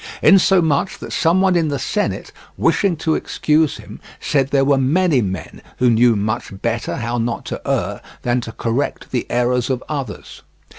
Insomuch that someone in the Senate, wishing to excuse him, said there were many men who knew much better how not to err than to correct the errors of others.